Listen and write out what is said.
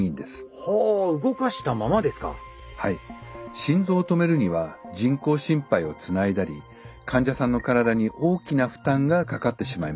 心臓を止めるには人工心肺をつないだり患者さんの体に大きな負担がかかってしまいます。